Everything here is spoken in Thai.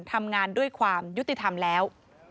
ทำงานด้วยความยุติธรรมแล้ว